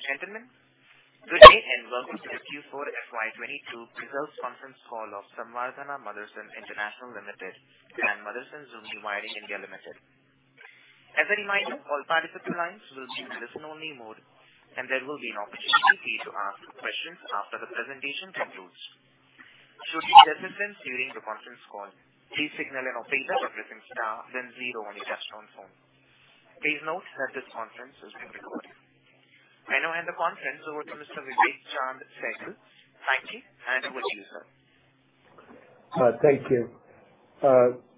Ladies and gentlemen, good day and welcome to Q4 FY 2022 Results Conference Call of Samvardhana Motherson International Limited and Motherson Sumi Wiring India Limited. As a reminder, all participant lines will be in listen-only mode, and there will be an opportunity for you to ask questions after the presentation concludes. Should you have assistance during the Conference Call, please signal an operator by pressing star then zero on your touchtone phone. Please note that this conference is being recorded. I now hand the conference over to Mr. Vivek Chaand Sehgal. Vivek, hand over to you, sir. Thank you.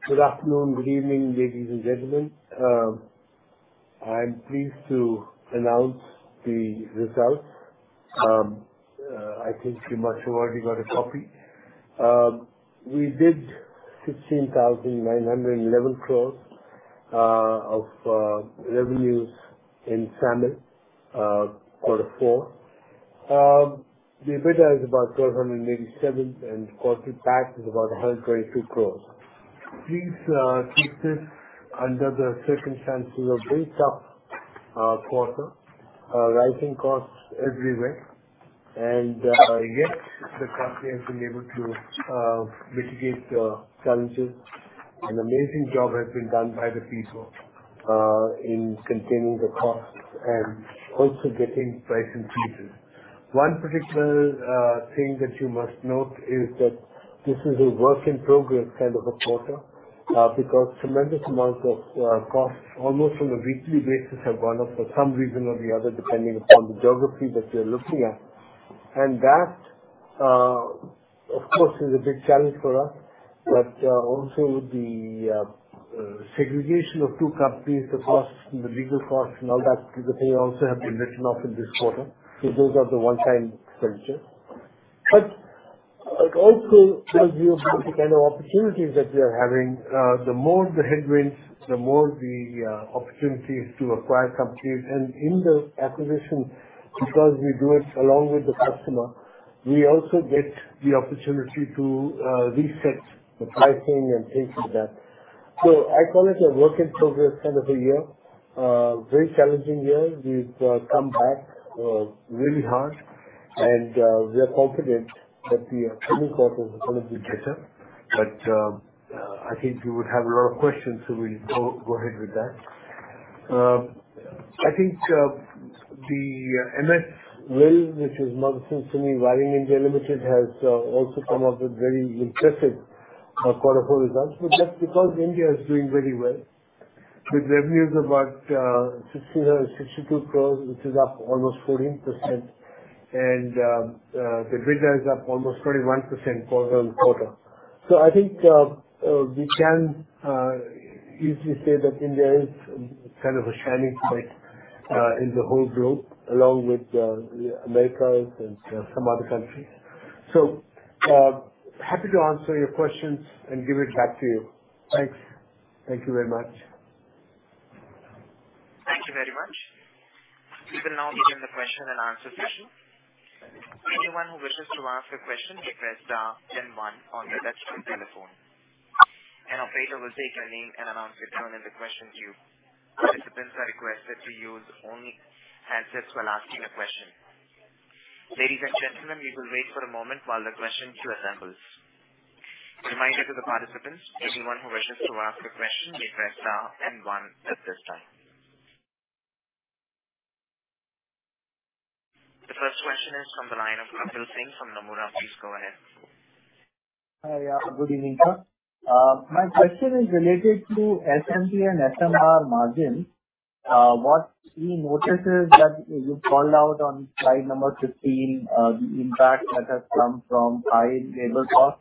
Good afternoon, good evening, ladies and gentlemen. I'm pleased to announce the results. I think you must have already got a copy. We did 16,911 crore of revenues in SAMIL Q4. The EBITDA is about 1,287 crore, and quarter tax is about 122 crore. Please keep this under the circumstances of very tough quarter, rising costs everywhere. Yet the company has been able to mitigate the challenges. An amazing job has been done by the people in containing the costs and also getting price increases. One particular thing that you must note is that this is a work in progress kind of a quarter, because tremendous amount of costs almost on a weekly basis have gone up for some reason or the other, depending upon the geography that we are looking at. That, of course, is a big challenge for us. Also with the segregation of two companies, the costs and the legal costs and all that, they also have been written off in this quarter. Those are the one-time expenses. It also gives you the kind of opportunities that we are having. The more the headwinds, the more the opportunities to acquire companies. In the acquisition, because we do it along with the customer, we also get the opportunity to reset the pricing and things like that. I call it a work in progress kind of a year. Very challenging year. We've come back really hard and we are confident that the coming quarters are gonna be better. I think you would have a lot of questions, so we'll go ahead with that. I think the MSWIL, which is Motherson Sumi Wiring India Limited, has also come up with very impressive Q4 results. That's because India is doing very well. With revenues about 62 crores, which is up almost 14%. The EBITDA is up almost 21% quarter-on-quarter. I think we can easily say that India is kind of a shining point in the whole group, along with Americas and some other countries. Happy to answer your questions and give it back to you. Thanks. Thank you very much. Thank you very much. We will now begin the Q&A session. Anyone who wishes to ask a question, press star then one on your touchtone telephone. An operator will state your name and announce your turn in the question queue. Participants are requested to use only handsets while asking a question. Ladies and gentlemen, we will wait for a moment while the question queue assembles. Reminder to the participants, anyone who wishes to ask a question may press star and one at this time. The first question is from the line of Kapil Singh from Nomura. Please go ahead. Hi. Good evening, sir. My question is related to SMP and SMR margins. What we notice is that you called out on slide number 15, the impact that has come from high labor costs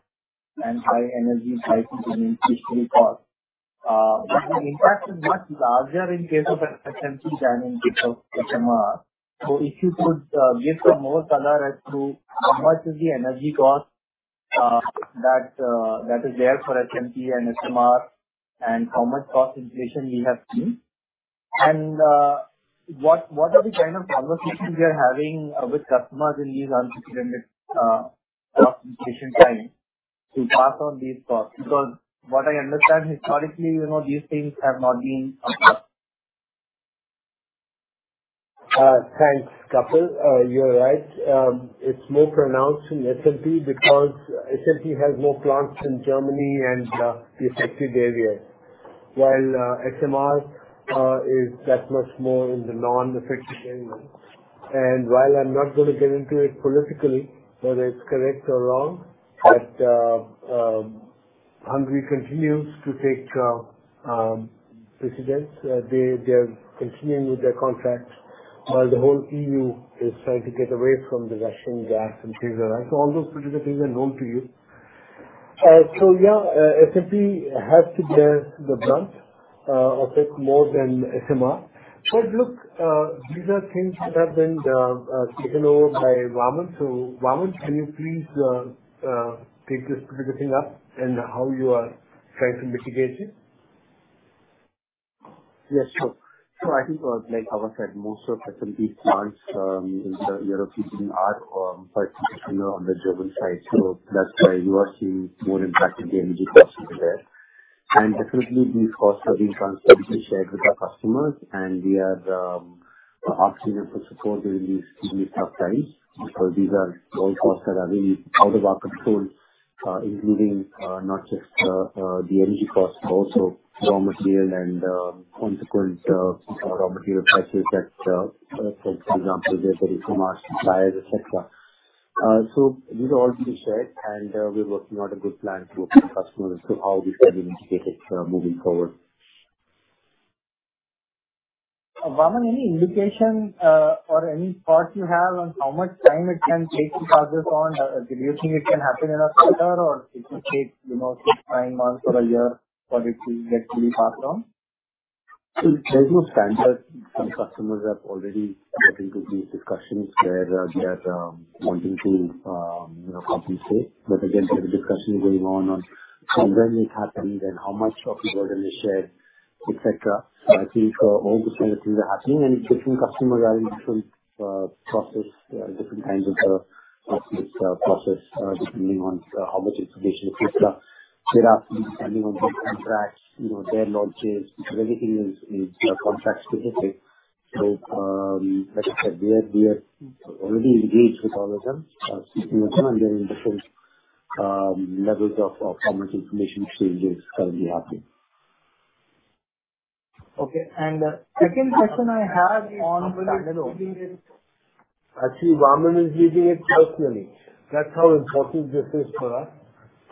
and high energy, high utility costs. The impact is much larger in case of SMP than in case of SMR. If you could give some more color as to how much is the energy cost, that is there for SMP and SMR and how much cost inflation we have seen. What are the kind of conversations we are having with customers in these unprecedented, cost inflation times to pass on these costs? Because what I understand historically, you know, these things have not been passed. Thanks, Kapil. You're right. It's more pronounced in SMP because SMP has more plants in Germany and the affected areas. While SMR is that much more in the non-affected areas. While I'm not gonna get into it politically whether it's correct or wrong, but Hungary continues to take precedence. They're continuing with their contracts while the whole E.U. is trying to get away from the Russian gas and things like that. All those political things are known to you. SMP has to bear the brunt of it more than SMR. Look, these are things that have been taken over by Vaaman. Vaaman, can you please take this political thing up and how you are trying to mitigate it? Yes, sure. I think, like Vivek said, most of SMP plants in Europe are participating on the German side. That's why you are seeing more impact of the energy costs there. Definitely these costs are being constantly shared with our customers, and we are asking them for support during these extremely tough times. These are all costs that are really out of our control, including not just the energy costs, but also raw material and consequent raw material prices that, for example, the risk from our suppliers, et cetera. These are all to be shared, and we're working on a good plan to our customers to how we can mitigate it moving forward. Vaaman, any indication or any thoughts you have on how much time it can take to pass this on? Do you think it can happen in a quarter or it will take, you know, six, nine months or a year for it to get fully passed on? There's no standard. Some customers have already gotten to these discussions where they are wanting to, you know, compensate. Again, there are discussions going on on when it happened and how much of it was gonna be shared, et cetera. I think all good kind of things are happening, and different customers are in different kinds of process depending on how much information, et cetera. There are depending on the contracts, you know, their launches. Everything is contract specific. Like I said, we are already engaged with all of them, and they're in different levels of how much information exchange is currently happening. Okay. Second question I have on Standalone. Actually, Vaaman is leading it personally. That's how important this is for us.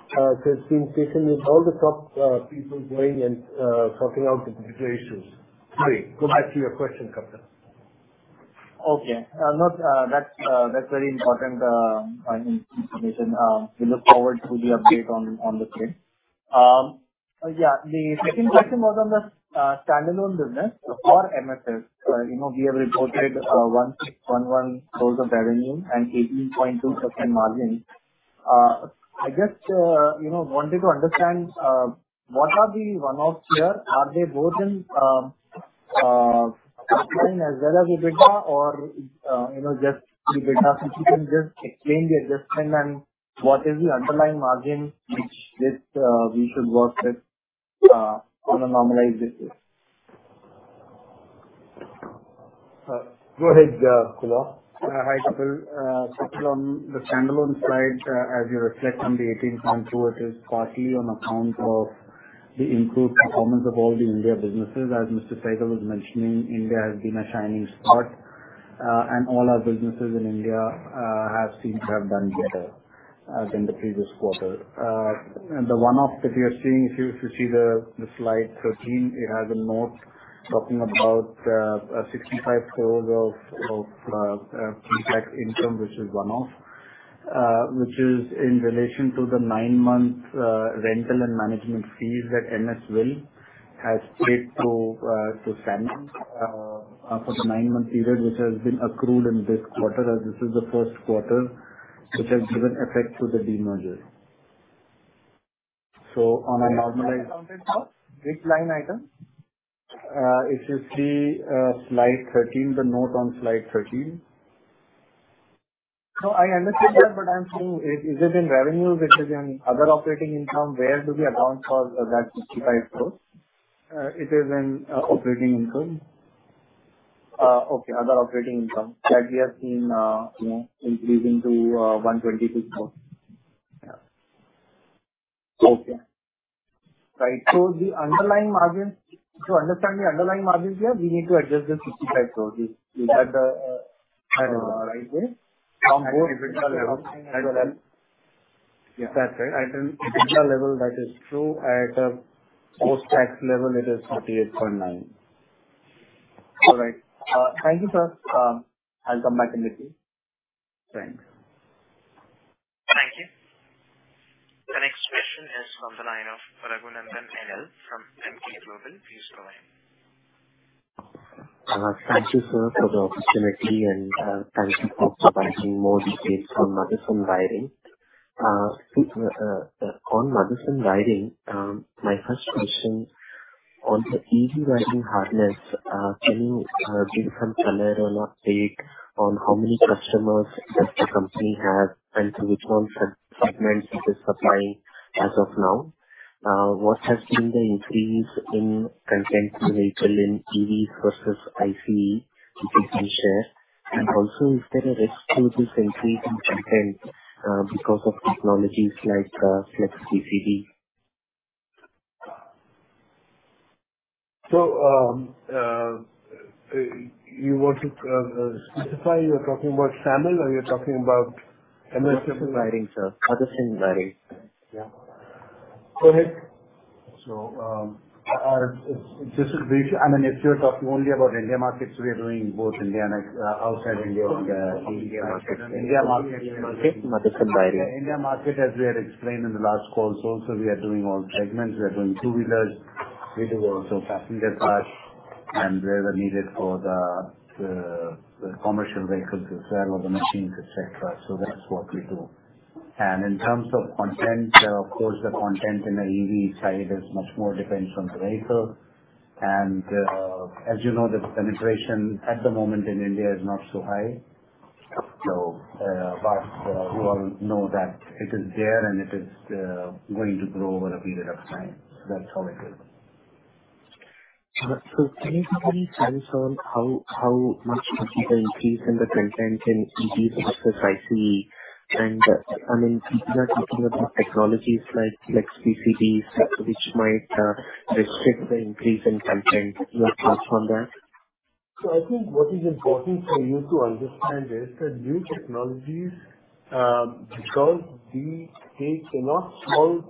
He's speaking with all the top people going and sorting out the particular issues. Sorry, go back to your question, Kapil. No, that's very important information. We look forward to the update on the same. Yeah, the second question was on the standalone business for MSWIL. You know, we have reported 1,611 crores of revenue and 18.2% margin. I just you know wanted to understand what are the one-offs here. Are they both in as well as EBITDA or you know just EBITDA? If you can just explain the adjustment and what is the underlying margin which we should work with on a normalized basis. Go ahead, Kunal. Hi Kapil. Kapil on the standalone slide, as you reflect on the 18.2%, it is partly on account of the improved performance of all the India businesses. As Mr. Sehgal was mentioning, India has been a shining spot, and all our businesses in India have seemed to have done better than the previous quarter. The one-off that you are seeing, if you see the slide 13, it has a note talking about 65 crore of pre-tax income, which is one-off, which is in relation to the nine-month rental and management fees that MSWIL has paid to SAMIL for the nine-month period, which has been accrued in this quarter, as this is the Q1 which has given effect to the demerger. On a normalized Accounted for which line item? It is the slide 13. The note on slide 13. No, I understand that, but I'm saying, is it in revenue? Which is in other operating income? Where do we account for that 65 crore? It is in operating income. Okay. Other operating income. That we have seen, you know, increasing to 122 crore. The underlying margins. To understand the underlying margins here, we need to adjust 65 crore. Is that right way? From both EBITDA level. That's right. At an EBITDA level, that is true. At a post-tax level, it is 38.9%. All right. Thank you, sir. I'll come back in the queue. Thanks. Thank you. The next question is on the line of Raghunandhan N. L. from Emkay Global. Please go ahead. Thank you, sir, for the opportunity and thank you for providing more details from Motherson Wiring. On Motherson Wiring, my first question on the EV wiring harness, can you give some color or update on how many customers does the company have and to which segments it is supplying as of now? What has been the increase in content per vehicle in EV versus ICE, if you can share. And also, is there a risk to this increase in content because of technologies like flex PCB? You want to specify you're talking about SAMIL or you're talking about MSWIL? Motherson Wiring, sir. Yeah. Go ahead. This is Vivek. I mean, if you're talking only about India markets, we are doing both India and outside India and India markets. India market. Motherson Wiring. India market, as we had explained in the last calls also, we are doing all segments. We are doing two-wheelers. We do also passenger cars and wherever needed for the commercial vehicles as well, or the machines, et cetera. That's what we do. In terms of content, of course, the content in the EV side is much more depends on the vehicle. As you know, the penetration at the moment in India is not so high. You all know that it is there and it is going to grow over a period of time. That's how it is. Can you give any sense on how much would be the increase in the content in EVs versus ICE? I mean, people are talking about technologies like Flex PCBs, which might restrict the increase in content. Your thoughts on that? I think what is important for you to understand is that new technologies, because these gates cannot solve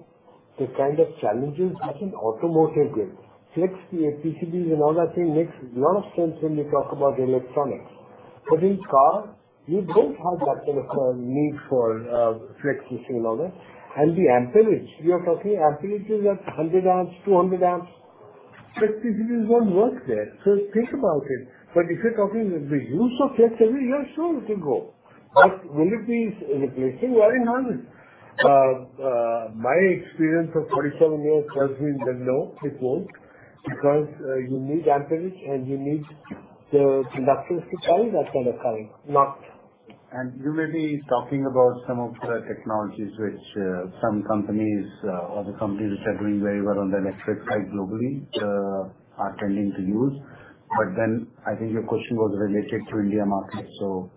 the kind of challenges, I think automotive will. Flex PCBs and all that thing makes a lot of sense when you talk about electronics. But in car, you don't have that sort of need for Flex PCB and all that. And the amperage, we are talking amperages at 100 amps, 200 amps, Flex PCBs won't work there. Think about it, but if you're talking the use of flex every year, sure it will grow. But will it be a replacement? Well, it hasn't. My experience of 47 years tells me that, no, it won't, because you need amperage, and you need the conductors to carry that kind of current. You may be talking about some of the technologies which some companies or the companies which are doing very well on the next fit globally are tending to use. I think your question was related to India market, so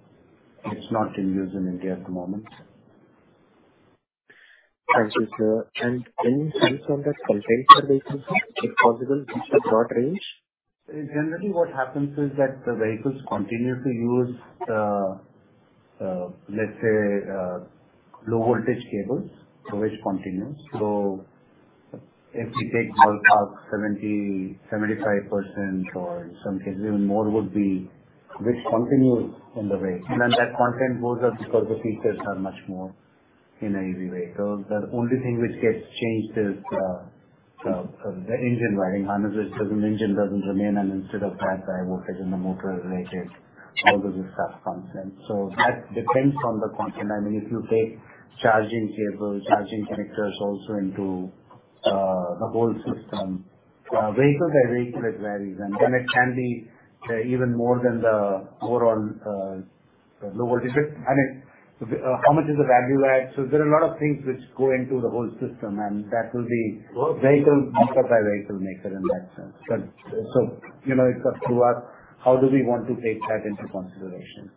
it's not in use in India at the moment. Thank you, sir. Any sense on that content, basically, if possible, just a broad range. Generally, what happens is that the vehicles continue to use, let's say, low voltage cables, which continues. If we take bulk of 70% to 75%, or in some cases even more, would be which continues in the way. Then that content goes up because the features are much more in an easy way. The only thing which gets changed is the engine wiring harness, engine doesn't remain, and instead of that, the voltage and the motor related, all those ducts comes in. That depends on the content. I mean, if you take charging cables, charging connectors also into the whole system. Vehicle by vehicle it varies, and then it can be even more than the overall low voltage. I mean, how much is the value add? There are a lot of things which go into the whole system, and that will be vehicle maker by vehicle maker in that sense. You know, it's up to us, how do we want to take that into consideration?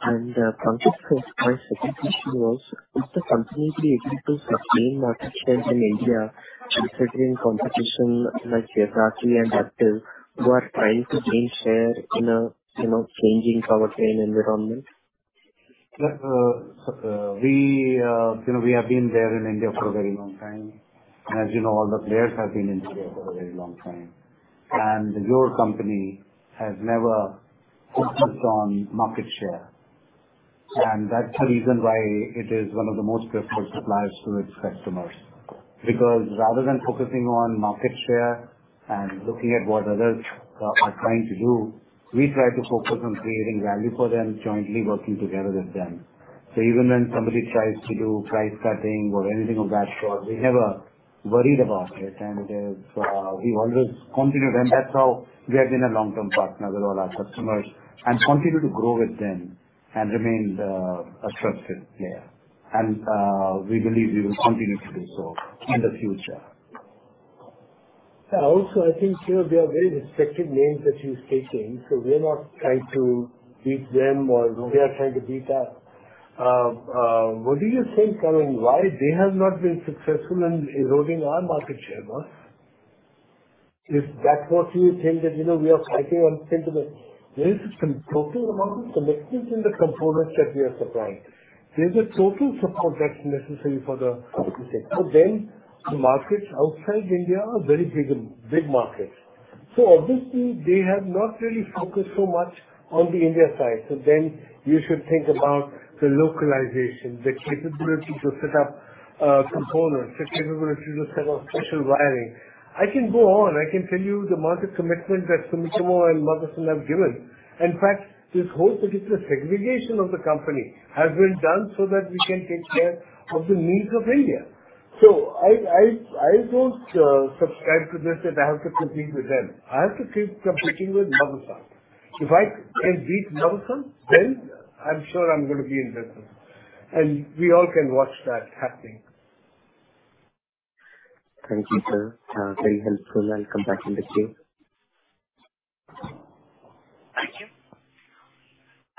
Pankaj, my second question was, is the company able to sustain market share in India considering competition like Yazaki and Aptiv who are trying to gain share in a you know changing powertrain environment? Look, you know, we have been there in India for a very long time. As you know, all the players have been in India for a very long time. Your company has never focused on market share. That's the reason why it is one of the most preferred suppliers to its customers. Because rather than focusing on market share and looking at what others are trying to do, we try to focus on creating value for them, jointly working together with them. Even when somebody tries to do price cutting or anything of that sort, we never worried about it. We always continued, and that's how we have been a long-term partner with all our customers and continue to grow with them and remain a trusted player. We believe we will continue to do so in the future. I think, you know, they are very respected names that he's taking, so we're not trying to beat them or they are trying to beat us. What do you think, I mean, why they have not been successful in eroding our market share, boss? If that's what you think that, you know, we are fighting on sentiment. There is a total amount of connectors in the components that we are supplying. There's a total support that's necessary for the sector. The markets outside India are very big, big markets. Obviously they have not really focused so much on the India side. You should think about the localization, the capability to set up, components, the capability to set up special wiring. I can go on. I can tell you the market commitment that Sumitomo and Motherson have given. In fact, this whole particular segregation of the company has been done so that we can take care of the needs of India. I don't subscribe to this, that I have to compete with them. I have to keep competing with Motherson. If I can beat Motherson, then I'm sure I'm gonna be in business, and we all can watch that happening. Thank you, sir. Very helpful. I'll come back in the queue. Thank you.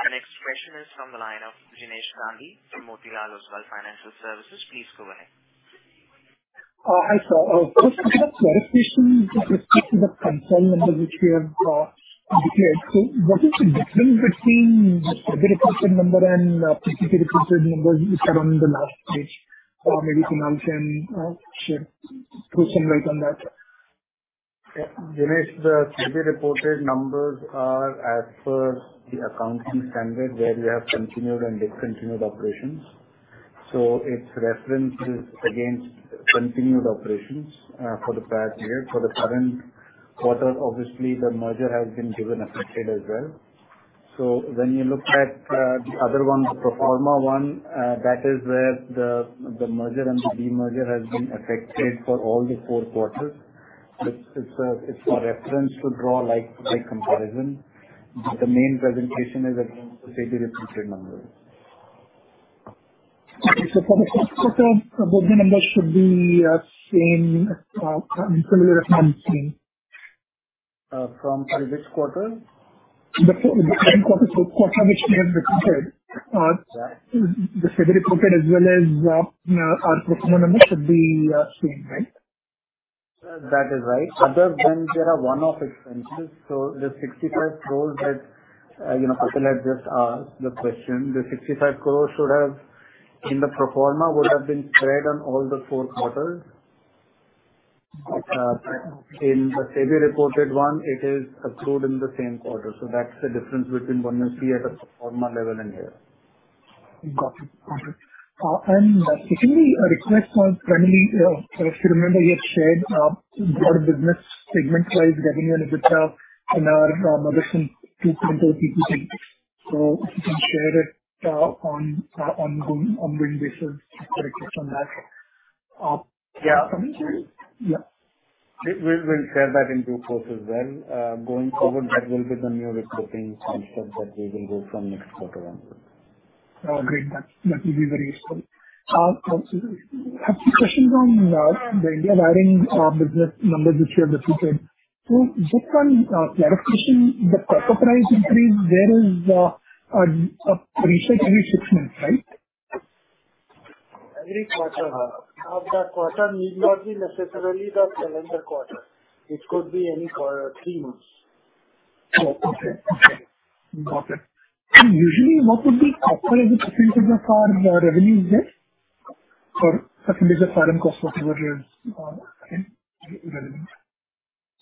Our next question is from the line of Jinesh Gandhi from Motilal Oswal Financial Services. Please go ahead. Hi, sir. First I have a clarification with respect to the control numbers which we have declared. What is the difference between the reported number and particularly reported numbers you said on the last page? Or maybe Kunal can share, throw some light on that. Yeah. Jinesh, the SEBI reported numbers are as per the accounting standard where we have continued and discontinued operations. Its reference is against continued operations for the past year. For the current quarter, obviously, the merger has been given effect as well. When you look at the other one, the pro forma one, that is where the merger and the demerger has been effected for all the four quarters. It's for reference to draw, like, the comparison. The main presentation is against the SEBI reported numbers. For the Q1, the book numbers should be same, similar as now seen. From previous quarter? The current quarter, so quarter which we have reported. Yeah. The SEBI reported as well as our pro forma numbers should be same, right? That is right. Other than there are one-off expenses. The 65 crores that Kunal had just the question, the 65 crores should have in the pro forma would have been spread on all the four quarters. In the SEBI reported one, it is accrued in the same quarter, so that's the difference between one and three at a pro forma level in here. Got it. Can we request more friendly? If you remember, you had shared your business segment-wide revenue and EBITDA in addition to current PPT. If you can share it on ongoing basis for context on that. Yeah. From your side. Yeah. We'll share that in due course as well. Going forward, that will be the new reporting concept that we will go from next quarter onwards. Oh, great. That will be very useful. Have few questions on the India wiring business numbers which you have reported. Just one clarification. The price increase, there is a revision every six months, right? Every quarter. Now, the quarter need not be necessarily the calendar quarter. It could be any three months. Yeah, got it. Okay. Got it. Usually what would be appropriate as a percentage of our revenue is it? For certain business for our cost whatever,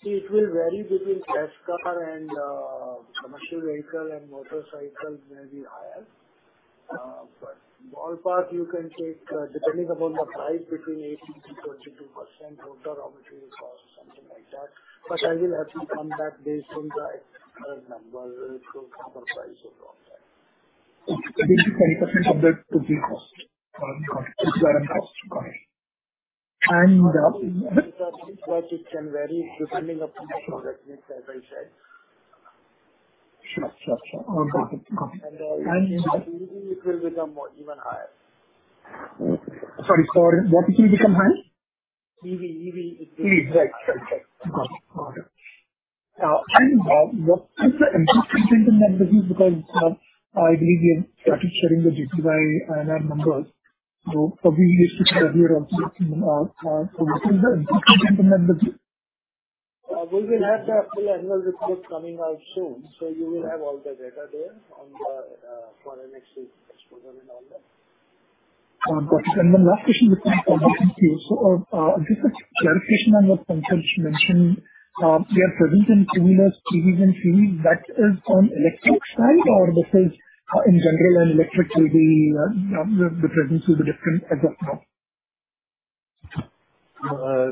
relevant. It will vary between passenger car and commercial vehicle, and motorcycle may be higher. Ballpark you can take, depending upon the price, 18% to 22%, total raw material cost, something like that. I will have to come back based on the current number to copper price and all that. Okay. 22% of that to the cost for RM cost. Got it. It can vary depending upon the product mix as I said. Sure. All got it. EV it will become more even higher. Sorry, for what it will become high? EV EV. Right. Got it. What is the interest income in that because I believe you have started sharing the GPY and numbers. Probably you should share here also, what is the interest income in that group? We will have the full annual report coming out soon, so you will have all the data there on the foreign exchange exposure and all that. Got it. Last question with respect to EV. Just a clarification on what Pankaj mentioned. They are present in two-wheeler, EVs and CVs. That is on electric side or this is in general and electric will be the presence will be different as of now?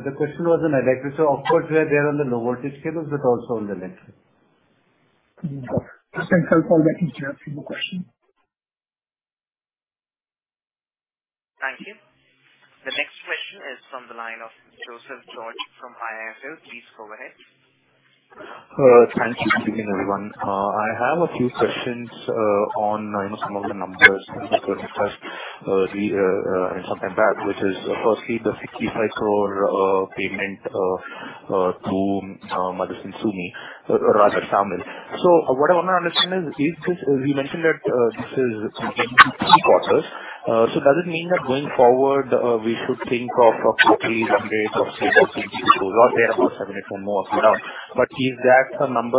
The question was on electric. Of course we are there on the low voltage vehicles, but also on the electric. Got it. Thanks. I'll call back if there are few more questions. Thank you. The next question is from the line of Joseph George from IIFL. Please go ahead. Thank you. Good evening, everyone. I have a few questions on, you know, some of the numbers which were discussed some time back, which is firstly the 65 crore payment to Motherson Sumi rather SAMIL. What I want to understand is this. You mentioned that this is payment for three quarters. Does it mean that going forward we should think of a quarterly update of say 65 crores or thereabout if there are more of them? Is that the number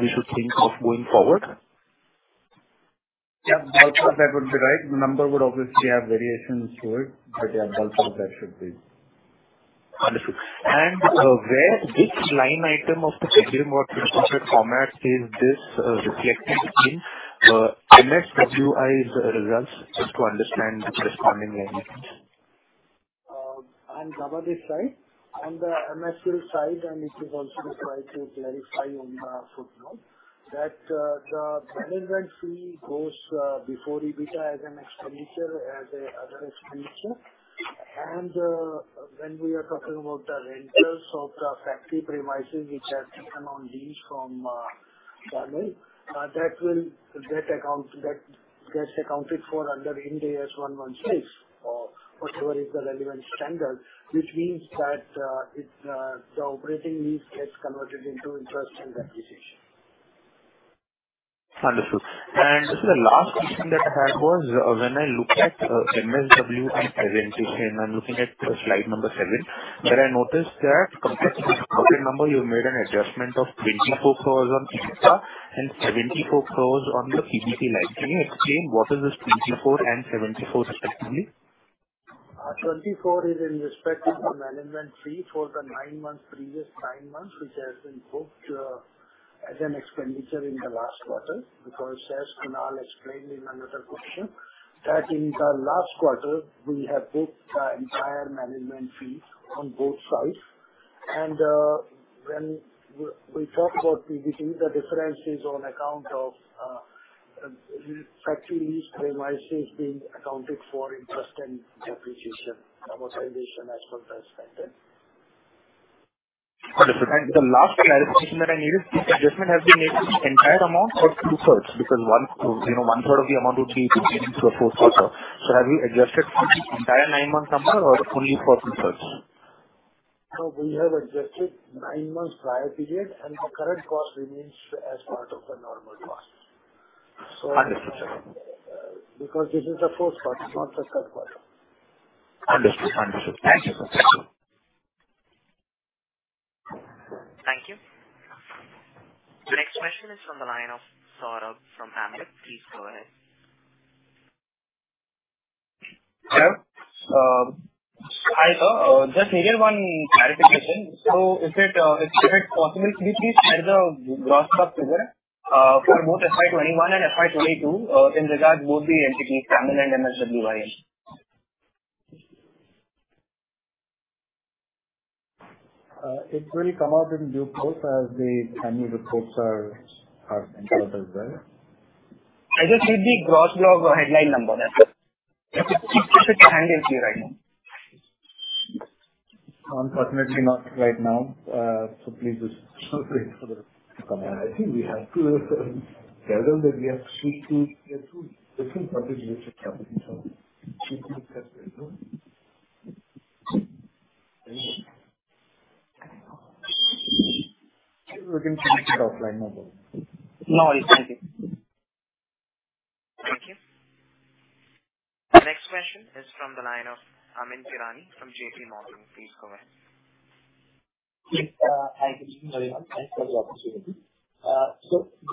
we should think of going forward? Yeah, bulk of that would be right. The number would obviously have variations to it, but yeah, bulk of that should be. Understood. Which line item of the income or reported format is this reflected in MSWIL's results just to understand the corresponding line items? On SAMIL's side. On the MSWIL side, it is also described to clarify on the footnote that the management fee goes before EBITDA as an expenditure. When we are talking about the rentals of the factory premises which are taken on lease from SAMIL, that gets accounted for under Ind AS 116 or whatever is the relevant standard, which means that it's the operating lease gets converted into interest and amortization. Understood. The last question that I had was, when I look at MSWIL presentation, I'm looking at slide number seven, where I noticed that compared to the reported number, you've made an adjustment of 24 crores on EBITDA and 74 crores on the PBT line. Can you explain what is this 24 crores and 74 crores respectively? 24 crores is in respect to the management fee for the nine months, previous nine months, which has been booked as an expenditure in the last quarter. Because as Kunal explained in another question that in the last quarter, we have booked the entire management fee on both sides. When we talk about PBT, the difference is on account of factory lease premises being accounted for interest and depreciation amortization as per the standard. Understood. The last clarification that I needed, this adjustment has been made to entire amount or two-thirds, because one, you know, one-third of the amount would be for Q4? Have you adjusted for entire nine months number or only for two-thirds? No, we have adjusted nine months prior period, and the current cost remains as part of the normal cost. Understood, sir. Because this is the Q4, not the Q3. Understood. Thank you. Thank you. The next question is from the line of Saurabh from Ambit. Please go ahead. Hello. Hi, sir. Just needed one clarification. If it is possible, could you please share the gross profit figure for both FY 2021 and FY 2022 in regard both the entities, Standalone and MSWIL? It will come out in due course as the annual reports are out as well. I just need the gross profit headline number. That's it. Just to hand it to you right now. Unfortunately not right now. Please just wait for the comments. I think we have to tell them that we have two different public listed companies. We cannot discuss right now. We can connect you offline, number. No worries. Thank you. Thank you. The next question is from the line of Amyn Pirani from JPMorgan. Please go ahead. Yes. Hi, good evening, everyone. Thanks for the opportunity.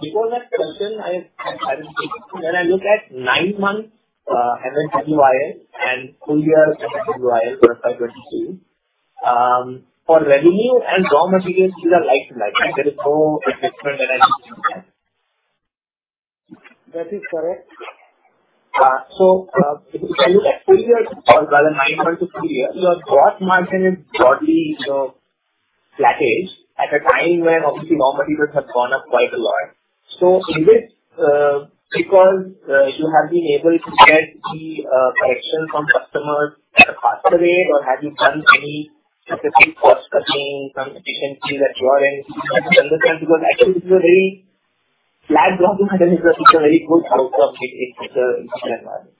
Before that question, I will take it. When I look at nine months, MSWIL and full year MSWIL for FY 2022, for revenue and raw materials, these are like-for-like. There is no adjustment that I need to make. That is correct. If you look at full year or rather nine months to full year, your gross margin is broadly, you know, flattish at a time when obviously raw materials have gone up quite a lot. Is it because you have been able to get the corrections from customers at a faster rate, or have you done any specific cost cutting from efficiencies at your end? I don't understand, because actually this is a very flat gross margin, which is a very good outcome in the current environment.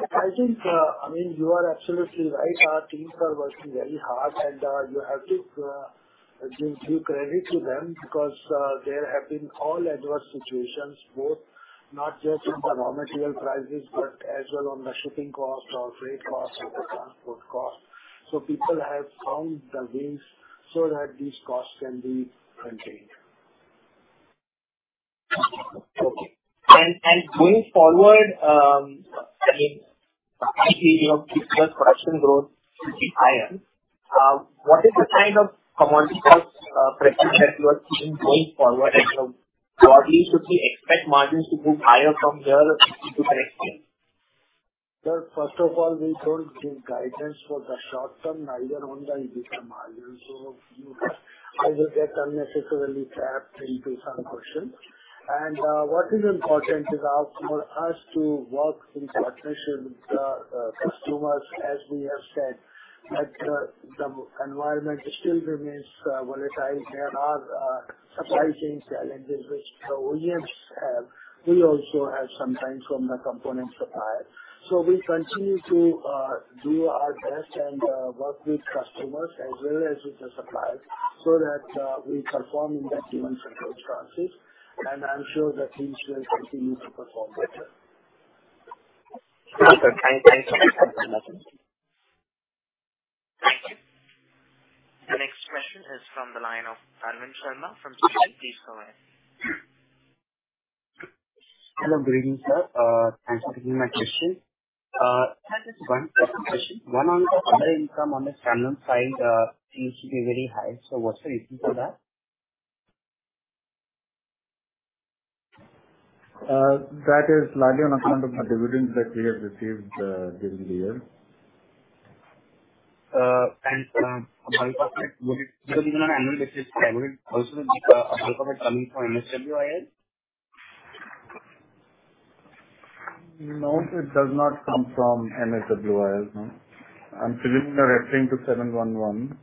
I think, I mean, you are absolutely right. Our teams are working very hard. You have to give due credit to them because there have been all adverse situations, both not just in the raw material prices, but as well on the shipping costs or freight costs or the transport costs. People have found the ways so that these costs can be contained. Okay. Going forward, I mean, I feel your fiscal production growth will be higher. What is the kind of commodity cost pressure that you are seeing going forward? You know, broadly should we expect margins to move higher from here into next year? Sir, first of all, we don't give guidance for the short term, neither on the EBITDA margin. You either get unnecessarily trapped into some question. What is important is also for us to work in partnership with the customers, as we have said, that the environment still remains volatile. There are supply chain challenges which the OEMs have. We also have sometimes from the component suppliers. We continue to do our best and work with customers as well as with the suppliers so that we perform in that given circumstances. I'm sure the teams will continue to perform better. Understood. Thanks so much. Thank you. The next question is from the line of Arvind Sharma from Citi. Please go ahead. Hello. Good evening, sir. Thanks for taking my question. I have just one personal question. One on the other income on the Standalone side seems to be very high. What's the reason for that? That is largely on account of the dividend that we have received during the year. Apart from it, because even on annual basis, would it also be apart from it coming from MSWIL? No, it does not come from MSWIL. No. I'm assuming you're referring to 711.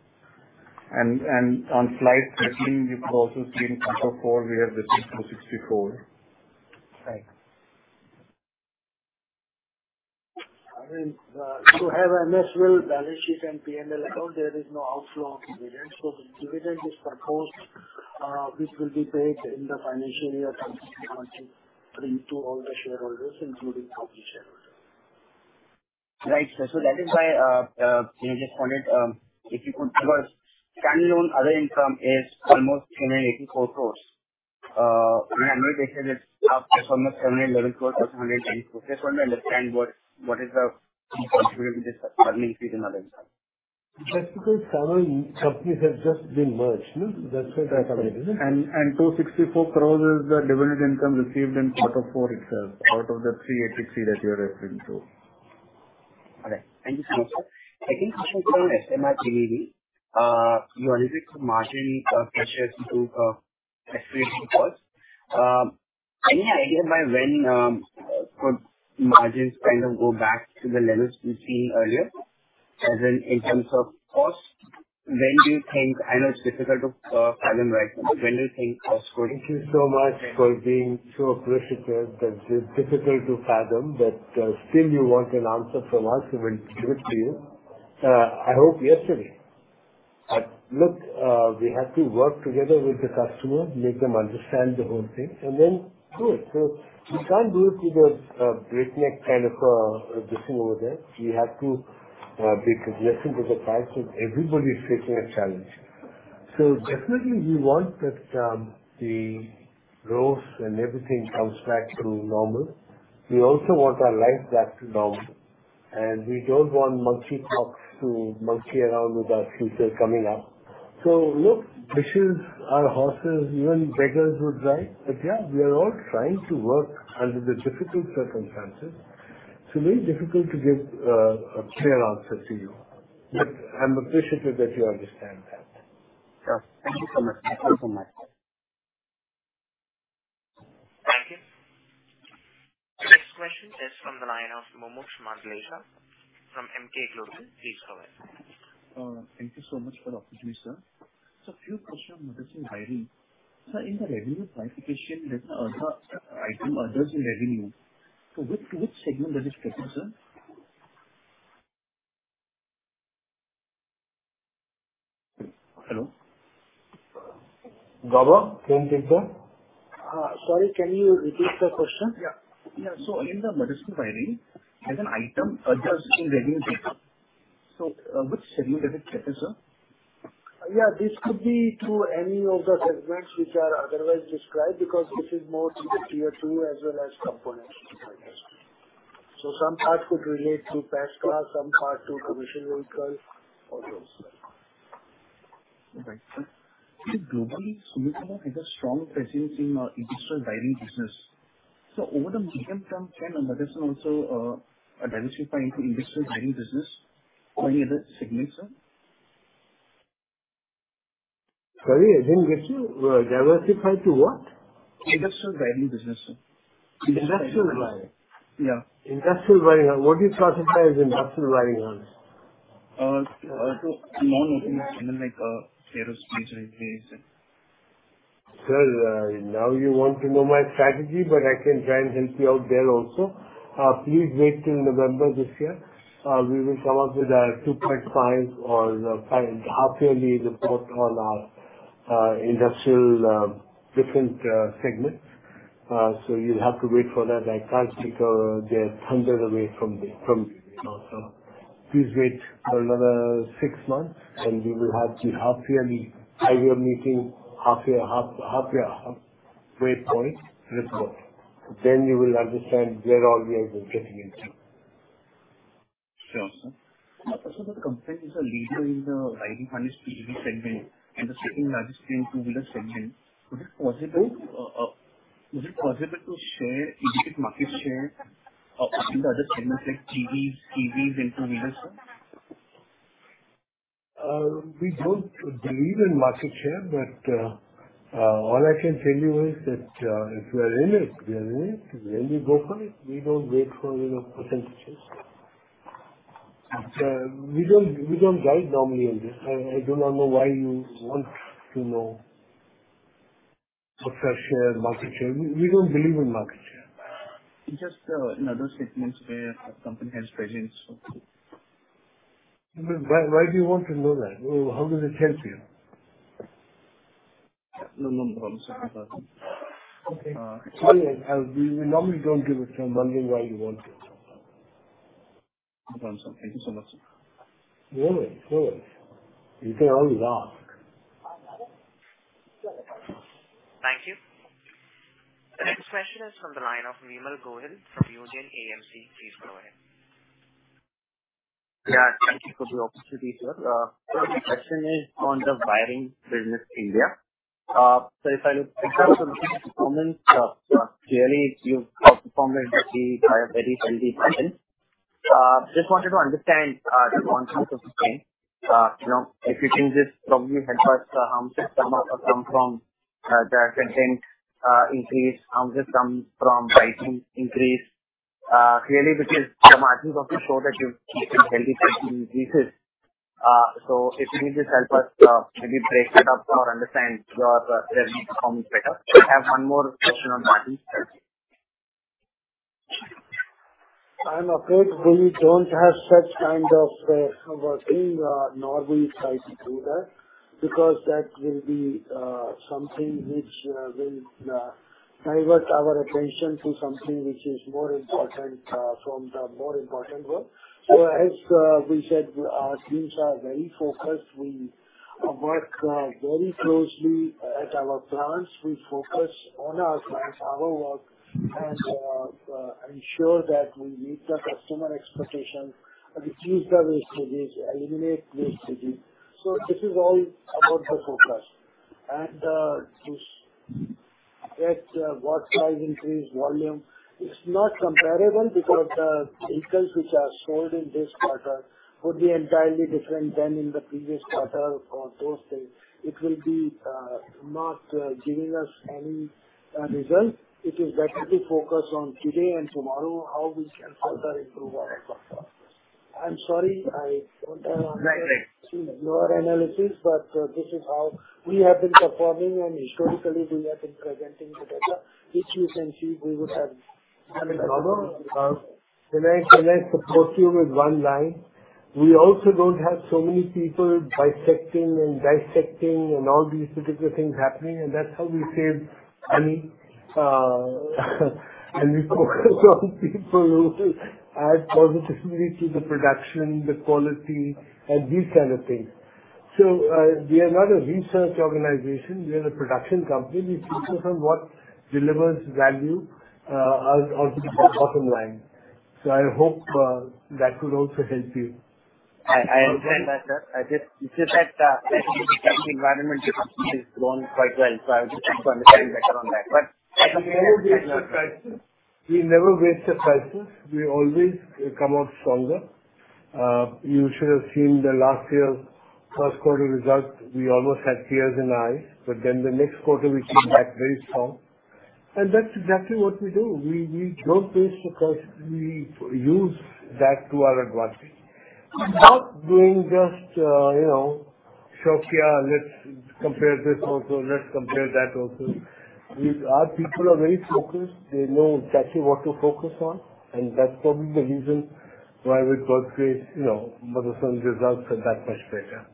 On slide 13, you've also seen Q4, we have received 264. Right. Arvind, you have MSWIL balance sheet and P&L account, there is no outflow of dividend. Dividend is proposed, which will be paid in the financial year 2023 to all the shareholders, including public shareholders. Right, sir. That is why I just wanted if you could, because Standalone other income is almost 784 crores. On an annual basis, it's up from the 711 crores or 790 crores. Just want to understand what is the contribution to this earnings within other income. That's because Standalone factories have just been merged, no? That's why it has happened, isn't it? 264 crores is the dividend income received in Q4 itself, out of the 383 that you are referring to. All right. Thank you so much, sir. Second question is on FMR 380. You are subject to margin pressures due to escalating costs. Any idea by when could margins kind of go back to the levels we've seen earlier? In terms of costs, when do you think I know it's difficult to fathom right now. When do you think costs would Thank you so much for being so appreciative that it's difficult to fathom, but still you want an answer from us. We will give it to you. I hope yesterday. Look, we have to work together with the customer, make them understand the whole thing, and then do it. We can't do it with a breakneck kind of decision over there. We have to be cognizant of the fact that everybody is facing a challenge. Definitely we want that the growth and everything comes back to normal. We also want our life back to normal, and we don't want monkeypox to monkey around with our future coming up. Look, wishes are horses, even beggars would ride. Yeah, we are all trying to work under the difficult circumstances. It's very difficult to give a clear answer to you. Yes. I'm appreciative that you understand that. Sure. Thank you so much. Thank you so much. Thank you. The next question is from the line of Mumuksh Mandlesha from Emkay Global. Please go ahead. Thank you so much for the opportunity, sir. A few questions on Motherson wiring. In the revenue classification, there's another item, others in revenue. Which segment does it take, sir? Hello? Vaaman, can you take that? Sorry, can you repeat the question? Yeah. Yeah. In the Motherson wiring, there's an item, others in revenue taken. Which segment does it take, sir? Yeah. This could be through any of the segments which are otherwise described, because this is more to do with Tier 2 as well as components. I see. some parts could relate to passenger cars, some parts to commercial vehicles, or those. See, globally, Sumitomo has a strong presence in industrial wiring business. Over the medium term, can Motherson also diversify into industrial wiring business or any other segment, sir? Sorry, I didn't get you. Diversify to what? Industrial wiring business, sir. Industrial wiring. Yeah. Industrial wiring. What do you classify as industrial wiring? Non-automotive, something like aerospace or aviation. Sir, now you want to know my strategy, but I can try and help you out there also. Please wait till November this year. We will come up with a 2.5 or half-yearly report on our industrial different segments. You'll have to wait for that. I can't speak, they're hundreds away from me. Please wait for another six months, and you will have the half-yearly IR meeting, half-year waypoint report. Then you will understand where all we are getting into. Sure. The company is a leader in the wiring harness EV segment and the second-largest player in two-wheeler segment. Would it be possible to share or indicate market share of the other segments like CV, EVs, and two-wheelers? We don't believe in market share, but all I can tell you is that if we are in it, we are in it. When we go for it, we don't wait for, you know, percentages. We don't guide normally on this. I do not know why you want to know what's our share, market share. We don't believe in market share. Just, in other segments where our company has presence. Why do you want to know that? How does it help you? No, no problem, sir. Okay. Sorry, we normally don't give it, so I'm wondering why you want it. No problem, sir. Thank you so much, sir. Go ahead. You can always ask. Thank you. The next question is from the line of Vimal Gohil from Union AMC. Please go ahead. Yeah. Thank you for the opportunity, sir. First question is on the wiring business area. If I look at the performance, clearly you've outperformed the industry by a very healthy margin. Just wanted to understand the contributions to the same. You know, if you think this probably helped us, how much of that has come from the content increase? How much has come from pricing increase? Clearly because the margins also show that you've taken healthy pricing increases. If you could just help us, maybe break that up to understand your revenue performance better. I have one more question on margins. I'm afraid we don't have such kind of working. Nor we try to do that because that will be something which will divert our attention to something which is more important from the more important work. As we said, our teams are very focused. We work very closely at our plants. We focus on our plants, our work, and ensure that we meet the customer expectation, reduce the wastages, eliminate wastages. This is all about the focus and that's what drives the increase in volume. It's not comparable because the vehicles which are sold in this quarter would be entirely different than in the previous quarter for those things. It will not be giving us any result. It is better to focus on today and tomorrow, how we can further improve our performance. I'm sorry, I don't wanna. Right. Right. Do your analysis, but this is how we have been performing and historically we have been presenting the data, which you can see. I mean, although, can I support you with one line? We also don't have so many people bisecting and dissecting and all these particular things happening, and that's how we save money. We focus on people who add positivity to the production, the quality and these kind of things. We are not a research organization, we are a production company. We focus on what delivers value on to the bottom line. I hope that would also help you. I understand that, sir. It's just that, competitive environment is gone quite well, so I was just trying to understand better on that. We never waste a crisis. We always come out stronger. You should have seen the last year's first quarter results. We almost had tears in eyes, but then the next quarter we came back very strong. That's exactly what we do. We don't waste the crisis. We use that to our advantage. Without doing just, you know, shakiya, let's compare this also, let's compare that also. Our people are very focused. They know exactly what to focus on, and that's probably the reason why we both create, you know, Motherson results are that much better.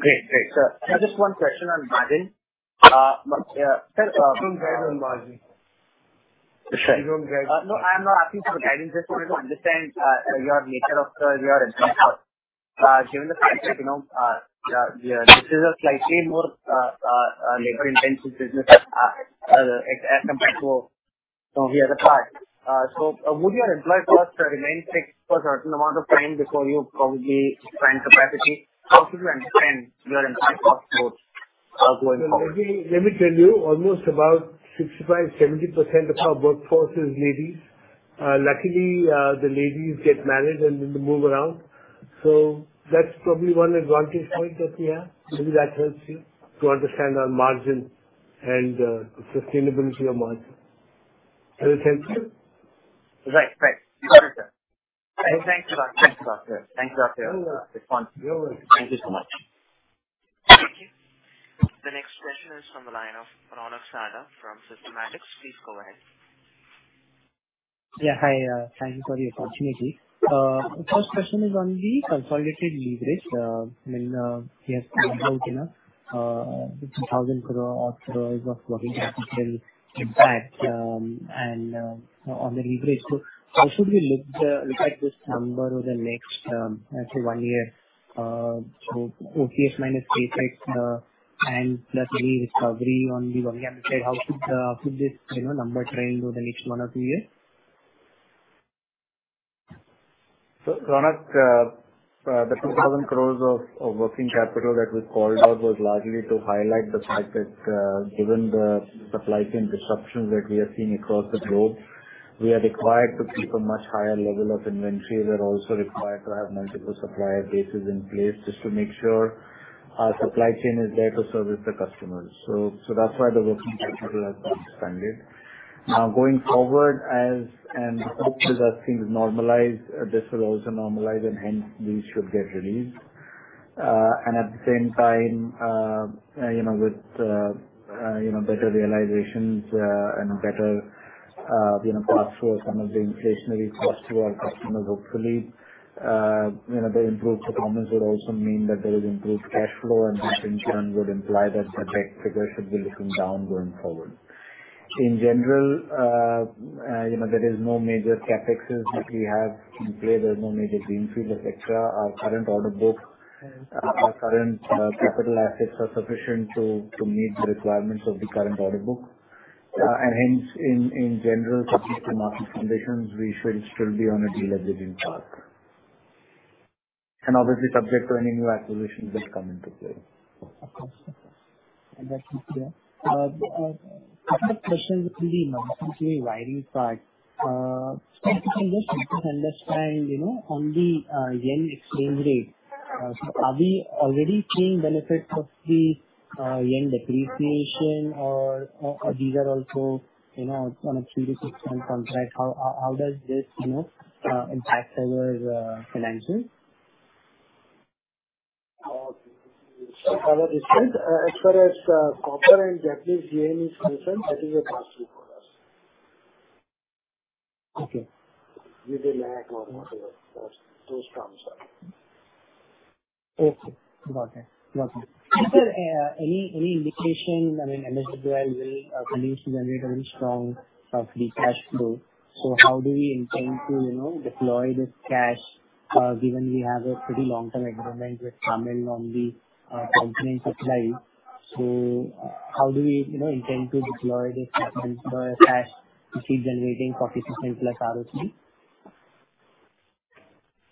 Great. Sir, just one question on margin. We don't guide on margin. Sure. We don't guide. No, I'm not asking for guidance. Just wanted to understand your nature of your employment. Given the fact that, you know, this is a slightly more labor-intensive business, as compared to some of the other parts. Would your employee cost remain fixed for a certain amount of time before you probably expand capacity? How should we understand your employee cost growth, going forward? Let me tell you, almost about 65% to 70% of our workforce is ladies. Luckily, the ladies get married and then they move around. That's probably one advantage point that we have. Maybe that helps you to understand our margin and sustainability of margin. Does that help you? Right. Right. Got it, sir. Thanks a lot. Thanks a lot, sir. Thanks a lot. You're welcome. Thank you so much. Thank you. The next question is from the line of Ronak Sarda from Systematix. Please go ahead. Yeah, hi. Thank you for the opportunity. First question is on the consolidated leverage. I mean, we have 2,200 crore of working capital impact, and on the leverage. How should we look at this number over the next one year, so OCF minus CapEx, and plus any recovery on the working capital. How should this, you know, number trend over the next one or two years? Ronak, the 2,000 crore of working capital that we called out was largely to highlight the fact that, given the supply chain disruptions that we are seeing across the globe, we are required to keep a much higher level of inventory. We are also required to have multiple supplier bases in place just to make sure our supply chain is there to service the customers. That's why the working capital has been expanded. Now, going forward, as things normalize, this will also normalize, and hence these should get released. At the same time, you know, with better realizations, and better, you know, pass through of some of the inflationary costs to our customers, hopefully, you know, the improved performance would also mean that there is improved cash flow, and this in turn would imply that the debt figure should be looking down going forward. In general, you know, there is no major CapEx that we have in play. There is no major greenfield, et cetera. Our current order book, our current capital assets are sufficient to meet the requirements of the current order book. Hence in general, subject to market conditions, we should be on a de-leveraging path. Obviously subject to any new acquisitions that come into play. Of course. That's clear. Second question is really mostly wiring part. If you can just help us understand, you know, on the yen exchange rate, so are we already seeing benefits of the yen depreciation or these are also, you know, on a three to six-month contract, how does this, you know, impact our financials? As far as copper and Japanese yen is concerned, that is a pass-through for us. Okay. With a lag or whatever those terms are. Got it. Sir, any indication? I mean, MSWIL will continue to generate a very strong free cash flow. How do we intend to, you know, deploy this cash given we have a pretty long-term agreement with SAMIL on the component supply? How do we, you know, intend to deploy this cash which is generating 40%+ ROC?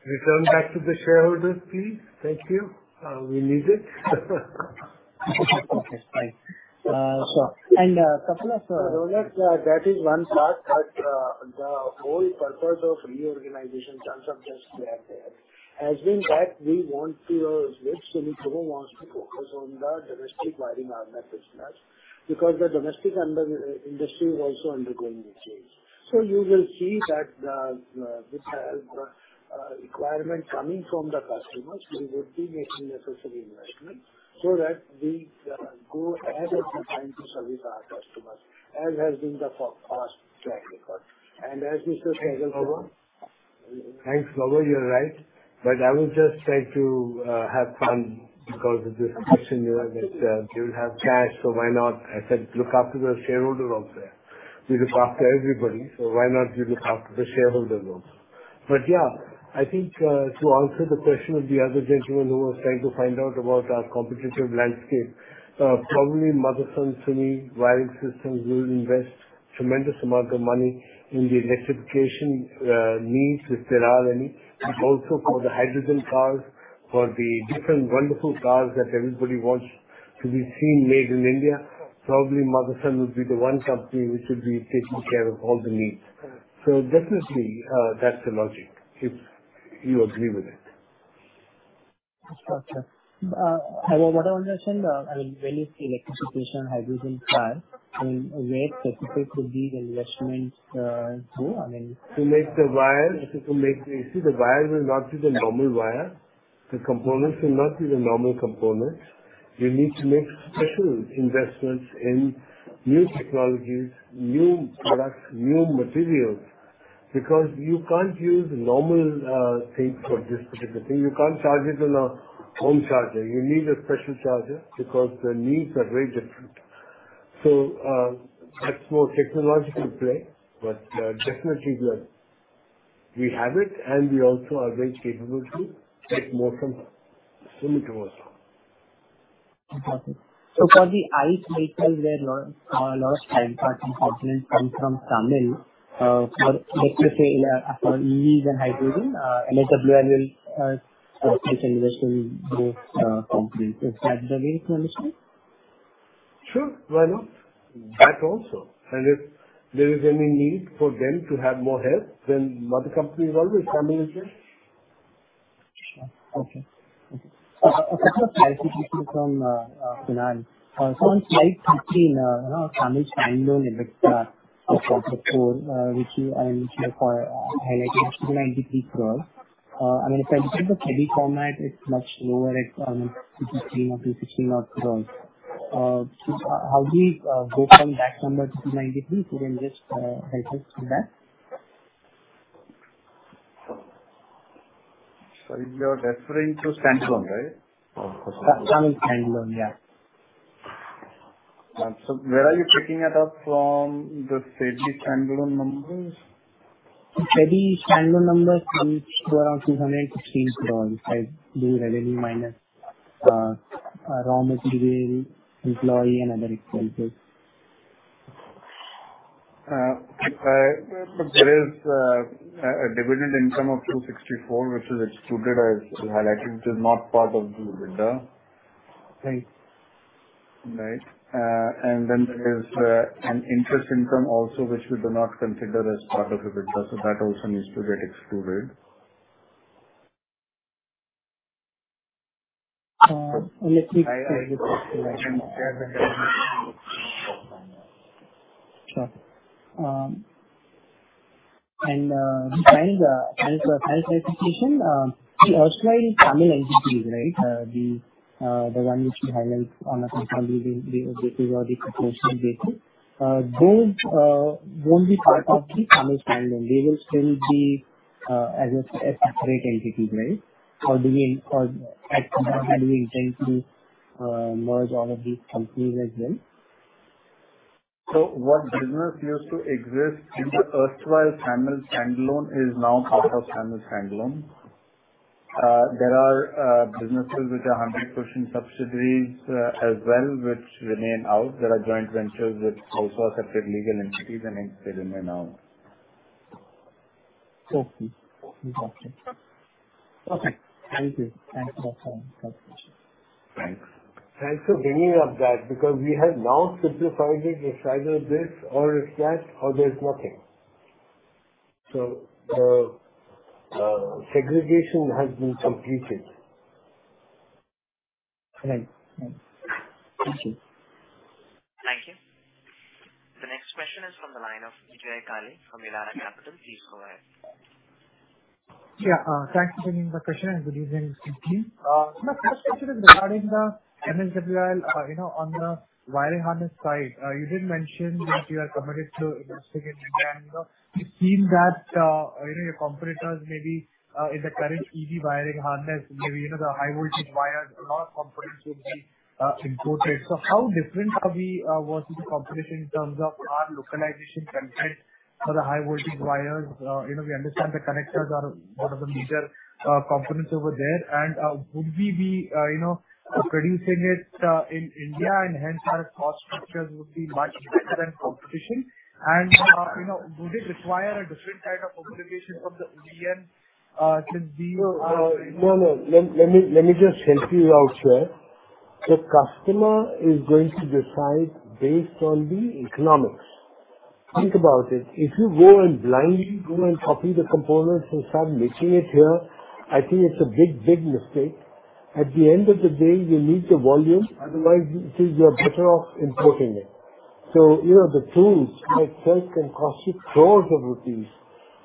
Return back to the shareholders, please. Thank you. We need it. Okay, fine. Vivek Chaand Sehgal, sir. Ronak, that is one part, but the whole purpose of reorganization in terms of just that there has been that we want to Sumitomo wants to focus on the domestic wiring market because the domestic wiring industry is also undergoing a change. You will see that this requirement coming from the customers, we would be making necessary investments so that we go ahead of the time to service our customers as has been the past track record. As Mr. Sehgal said—Thanks, Ronak. Thanks, Ronak. You're right. I will just try to have fun because of this question here that you'll have cash, so why not? I said, "Look after the shareholder out there." We look after everybody, so why not we look after the shareholders also? Yeah, I think, to answer the question of the other gentleman who was trying to find out about our competitive landscape, probably Motherson Sumi Wiring Systems will invest tremendous amount of money in the electrification needs, if there are any, also for the hydrogen cars, for the different wonderful cars that everybody wants to be seen made in India. Probably Motherson would be the one company which would be taking care of all the needs. Definitely, that's the logic, if you agree with it. Okay. What I understand, I mean, when it's electrification, hydrogen car and where specifically could be the investments through? To make the wire. You see, the wire will not be the normal wire. The components will not be the normal components. You need to make special investments in new technologies, new products, new materials, because you can't use normal thing for this particular thing. You can't charge it on a home charger. You need a special charger because the needs are very different. That's more technological play. Definitely we are. We have it, and we also are very capable to take more from Sumitomo also. Okay. For the ICE vehicles, where a lot of the time parts and components come from SAMIL, for, let's just say, EVs and hydrogen, MSWIL will place investment in those components. Is that the way to understand? Sure, why not? That also. If there is any need for them to have more help, then Motherson Company is always, SAMIL is there. Sure. Okay. A couple of clarifications from Kunal Malani. On slide 13, SAMIL standalone EBITDA of Q4, which you have highlighted is 93 crore. I mean, if I look at the reported format, it's much lower at 63 crore or INR 59 crore. How do you go from that number to 93? If you can just help us with that. You're referring to standalone, right? Yes. SAMIL standalone. Yeah. Where are you picking it up from the steady standalone numbers? EBITDA standalone numbers is around 263 crores if I do revenue minus raw material, employee and other expenses. There is a dividend income of 264 which is excluded, as highlighted, which is not part of the EBITDA. Right. Right. There's an interest income also which we do not consider as part of EBITDA, so that also needs to get excluded. Uh, let me I can share. Sure. Besides clarification, the erstwhile SAMIL entities, right, the one which you highlight on a consolidated basis or the proportional basis, those be part of the SAMIL standalone. They will still be as a separate entity, right? Or at some point, do we intend to merge all of these companies as well? What business used to exist in the erstwhile SAMIL standalone is now part of SAMIL standalone. There are businesses which are 100% subsidiaries, as well, which remain out. There are joint ventures which also are separate legal entities and they remain out. Okay. Perfect. Thank you. Thanks a lot, sir. Thanks. Thanks for bringing up that because we have now simplified it. It's either this or it's that or there's nothing. The segregation has been completed. Right. Right. Thank you. Thank you. The next question is from the line of Jay Kale from Elara Capital. Please go ahead. Yeah. Thanks for taking the question and good evening to the team. My first question is regarding the MSWIL, you know, on the wiring harness side. You did mention that you are committed to investing in India. We've seen that, you know, your competitors maybe in the current EV wiring harness, maybe, you know, the high voltage wires, a lot of components will be imported. So how different are we versus the competition in terms of our localization content for the high voltage wires? You know, we understand the connectors are one of the major components over there. Would we be, you know, producing it in India, and hence our cost structures would be much better than competition? You know, would it require a different kind of homologation from the OEM, since these are? No, no. Let me just help you out here. The customer is going to decide based on the economics. Think about it. If you go and blindly go and copy the components and start making it here, I think it's a big mistake. At the end of the day, you need the volume, otherwise, you see you are better off importing it. So, you know, the tools itself can cost you crores rupees.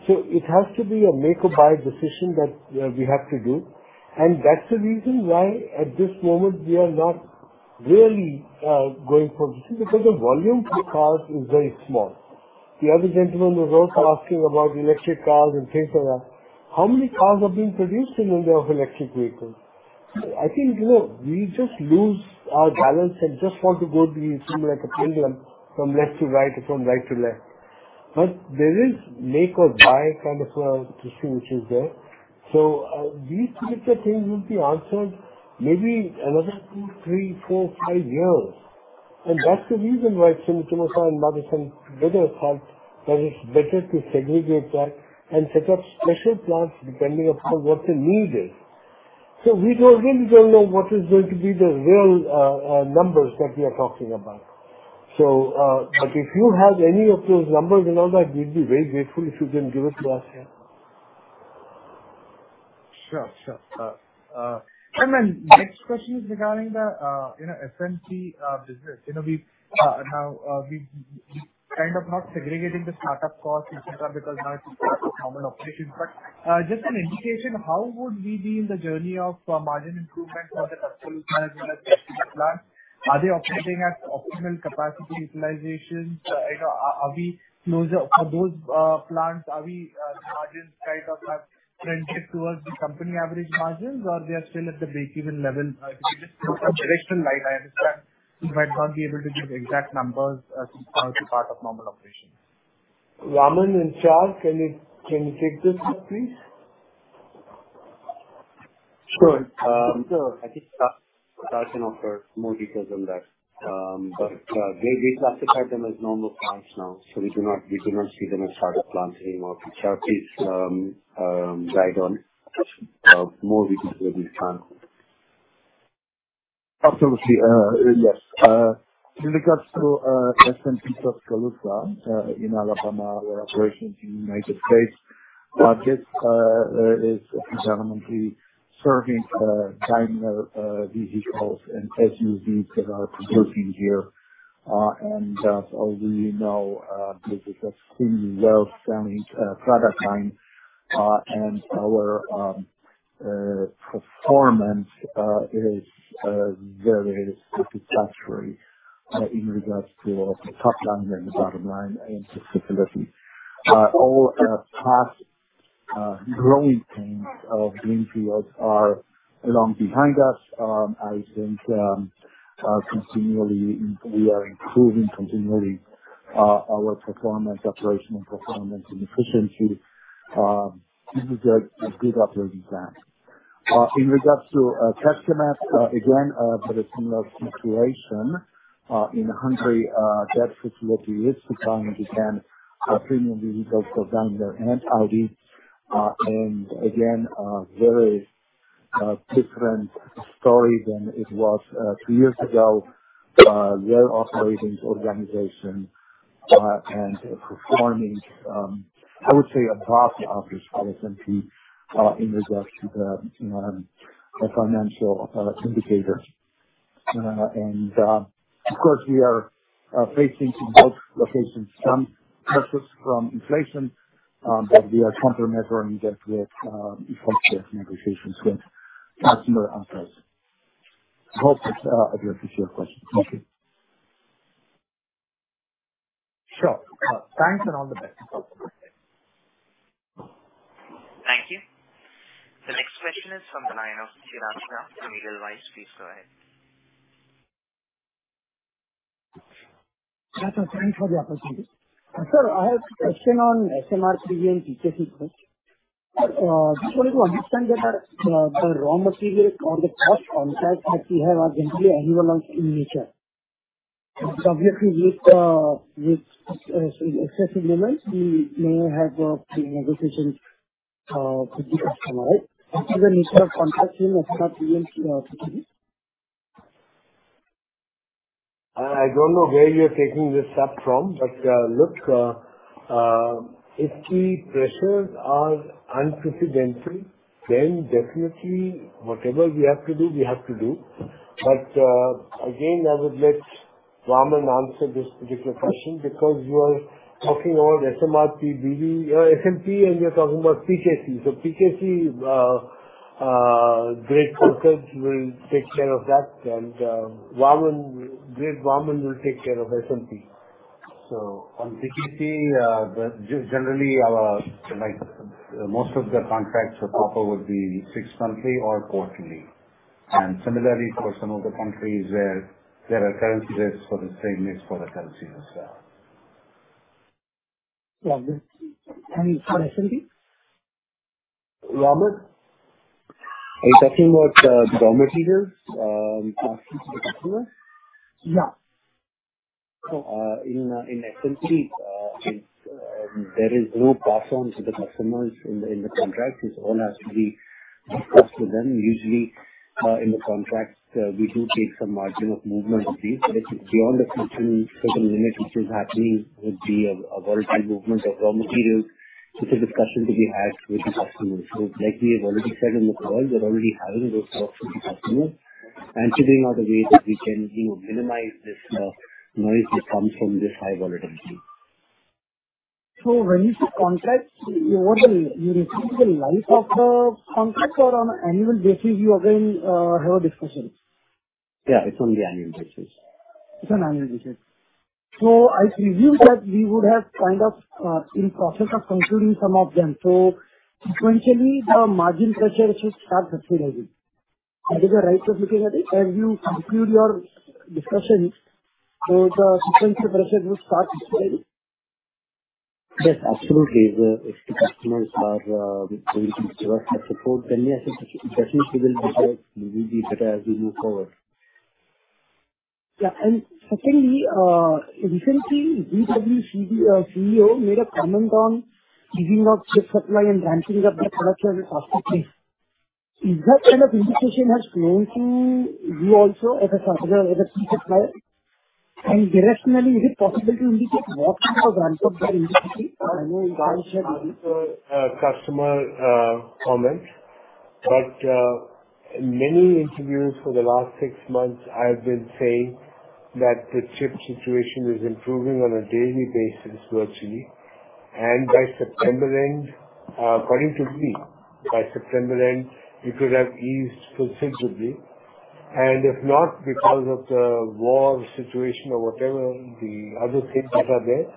So it has to be a make or buy decision that we have to do. That's the reason why at this moment we are not really going for this thing, because the volume for cars is very small. The other gentleman was also asking about electric cars and things like that. How many cars are being produced in the way of electric vehicles? I think, you know, we just lose our balance and just want to seem like a pendulum from left to right or from right to left. There is make or buy kind of a decision which is there. These types of things will be answered maybe another two, three, four, five years. That's the reason why Samvardhana Motherson better felt that it's better to segregate that and set up special plants depending upon what the need is. We don't really know what is going to be the real numbers that we are talking about. If you have any of those numbers and all that, we'd be very grateful if you can give it to us here. Sure, sure. Next question is regarding the, you know, SMP business. You know, we've now kind of not segregating the startup costs because now it's part of normal operations. Just an indication, how would we be in the journey of margin improvement for the plants? Are they operating at optimal capacity utilizations? You know, are we closer? For those plants, our margins kind of have trended towards the company average margins or they are still at the breakeven level? Just some directional line. I understand you might not be able to give exact numbers as part of normal operations. Kunal and Laksh, can you take this one, please? Sure. I think Laksh can offer more details on that. They classified them as normal plants now. We do not see them as startup plants anymore. Laksh, please, dive on more details where we can. Absolutely. Yes. With regards to SMP in Alabama operations in United States, this is predominantly serving Daimler vehicles and SUVs that are produced in here. As we know, this is extremely well-selling product line. Our performance is very satisfactory in regards to the top line and the bottom line in this facility. All past growing pains of greenfields are long behind us. I think continually we are improving our operational performance and efficiency. This is a good example of that. In regards to Kecskemét, again, very similar situation. In Hungary, that facility is supplying premium vehicles for Daimler and Audi. Again, very different story than it was two years ago. Well operating organization and performing, I would say above the average SMT in regards to the, you know, the financial indicators. Of course, we are facing in both locations some pressures from inflation, but we are countermeasuring that with functional negotiations with customer and suppliers. I hope it's up to your question. Thank you. Sure. Thanks and all the best. Thank you. The next question is from the line of Chirag Shah from Middle East. Please go ahead. Thanks for the opportunity. Sir, I have a question on SMRP and PKC first. We wanted to understand that the raw materials or the fixed contracts that we have are generally annual ones in nature. Obviously with excessive demands, we may have negotiations with the customer, right? What is the nature of contracting of SMRP, PKCs? I don't know where you're taking this up from, but look, if the pressures are unprecedented, then definitely whatever we have to do, we have to do. Again, I would let Vaaman answer this particular question because you are talking about SMR, PBV, SMP, and you're talking about PKC. PKC. Right context. We'll take care of that. Vaaman, right, Vaaman will take care of SMP. On PKC, generally our, like, most of the contracts for auto would be six-monthly or quarterly. Similarly for some of the countries where there are currency risks, the same risks for the currency as well. Yeah. For SMT? Vaaman? Are you talking about the raw material cost in particular? Yeah. In SMR, there is no pass on to the customers in the contract. It's all actually cost to them. Usually, in the contract, we do take some margin of movement fee. But if it's beyond a certain limit, which is happening, a volatile movement of raw materials, it's a discussion to be had with the customer. Like we have already said in the call, we're already having those talks with the customer and figuring out a way that we can, you know, minimize this noise that comes from this high volatility. When you say contract, you refer to the life of the contract or on annual basis you again have a discussion? Yeah, it's on the annual basis. It's on annual basis. I presume that we would have kind of in process of concluding some of them. Sequentially, the margin pressure should start subsiding. Is it the right way of looking at it? As you conclude your discussions, so the sequential pressure will start subsiding. Yes, absolutely. If the customers are willing to adjust their support and we have certain discussions, we will decide maybe be better as we move forward. Yeah. Secondly, recently VW CEO made a comment on giving up chip supply and ramping up their production of software. Is that kind of indication has flown to you also as a supplier, as a key supplier? Directionally, is it possible to indicate what is the ramp up there in the industry? I know you can't share the Customer comment. In many interviews for the last six months, I've been saying that the chip situation is improving on a daily basis virtually. By September end, according to me, it could have eased considerably. If not because of the war situation or whatever the other things that are there,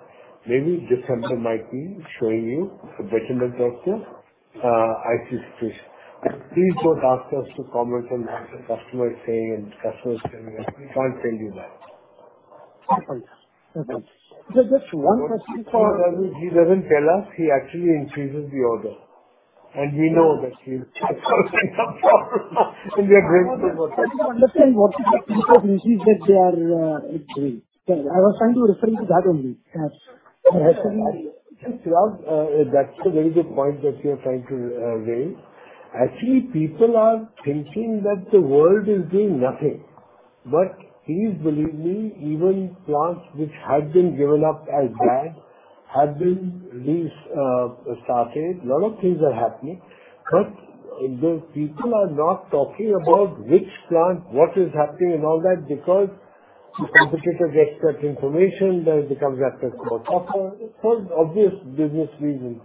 maybe December might be showing you a betterment of the IC situation. Please don't ask us to comment on what the customer is saying and customers telling us. We can't tell you that. Okay. Sir, just one question. He doesn't tell us. He actually increases the order, and we know that he and we are grateful for that. I want to understand what is the people's message that they are agreeing. I was trying to refer to that only. Recently See, Chirag, that's a very good point that you're trying to raise. Actually, people are thinking that the world is doing nothing. Please believe me, even plants which had been given up as bad have been restarted. Lots of things are happening. The people are not talking about which plant, what is happening and all that because if competitor gets that information, then it becomes at a cost. For obvious business reasons,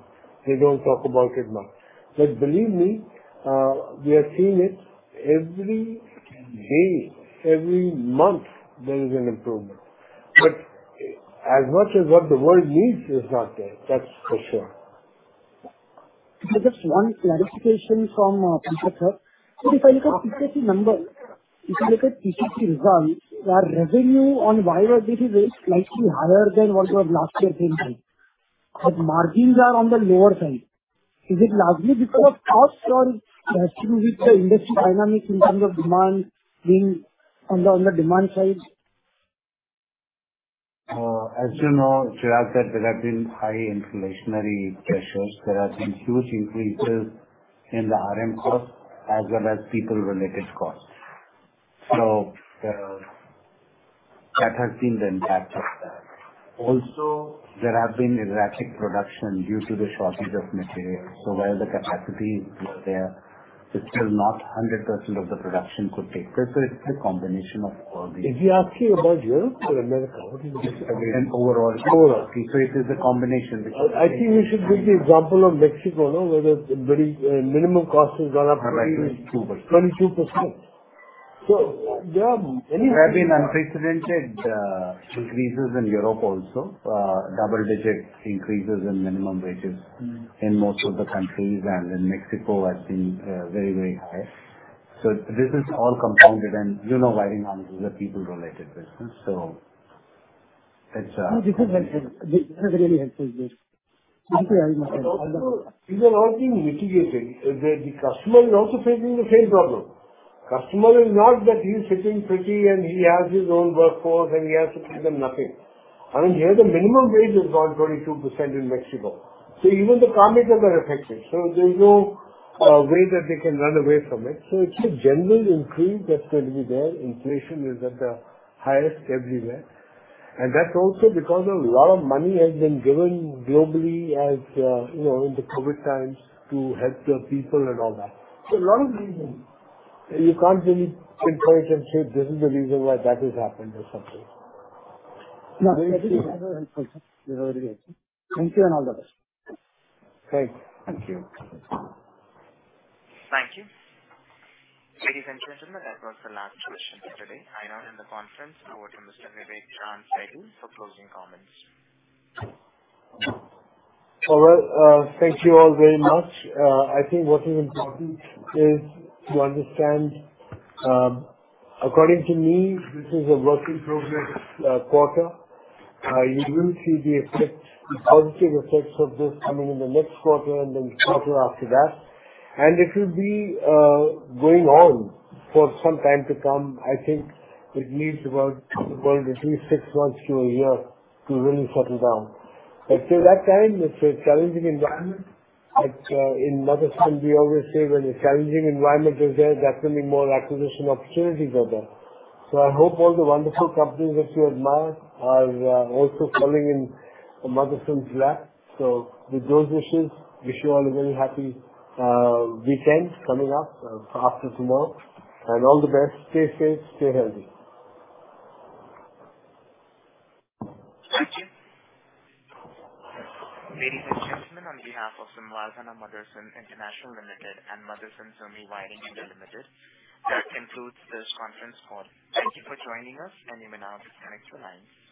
they don't talk about it now. Believe me, we are seeing it every day, every month, there is an improvement. As much as what the world needs is not there. That's for sure. Just one clarification from Pankaj Mital, sir. If I look at QCC number, if you look at QCC results, your revenue on wiring harness is very slightly higher than what you have last year been saying. Margins are on the lower side. Is it largely because of costs or has to do with the industry dynamics in terms of demand being on the demand side? As you know, Chirag, that there have been high inflationary pressures. There have been huge increases in the RM costs as well as people related costs. That has been the impact of that. Also, there have been erratic production due to the shortage of materials. While the capacity is there, it's still not 100% of the production could take place. It's a combination of all these. Is he asking about Europe or America? What is it? An overall. Overall. It is a combination. I think we should give the example of Mexico, no? Where the very minimum cost has gone up. Correct. 22%. There are many There have been unprecedented increases in Europe also. Double digit increases in minimum wages in most of the countries, and in Mexico has been very, very high. This is all compounded, and you know wiring harnesses are people related business. It's This is helpful. This is really helpful. Thank you very much. These are all being mitigated. The customer is also facing the same problem. Customer is not that he's sitting pretty and he has his own workforce and he has to pay them nothing. I mean, here the minimum wage has gone 22% in Mexico, so even the car makers are affected, so there's no way that they can run away from it. It's a general increase that's going to be there. Inflation is at the highest everywhere. That's also because a lot of money has been given globally as, you know, in the COVID times to help the people and all that. A lot of reasons. You can't really pinpoint and say this is the reason why that has happened or something. No, this is helpful, sir. This is really helpful. Thank you and all the best. Great. Thank you. Thank you. Ladies and gentlemen, that was the last question for today. I now end the Conference over to Mr. Vivek Chaand Sehgal for closing comments. All right. Thank you all very much. I think what is important is to understand, according to me, this is a work in progress quarter. You will see the effect, the positive effects of this coming in the next quarter and then quarter after that. It will be going on for some time to come. I think it needs about, well, at least six months to a year to really settle down. Till that time, it's a challenging environment. In Motherson we always say when a challenging environment is there, that's when more acquisition opportunities are there. I hope all the wonderful companies that you admire are also falling in Motherson's lap. With those wishes, wish you all a very happy weekend coming up after tomorrow, and all the best. Stay safe, stay healthy. Thank you. Ladies and gentlemen, on behalf of Samvardhana Motherson International Limited and Motherson Sumi Wiring India Limited, that concludes this Conference Call. Thank you for joining us, and you may now disconnect your lines.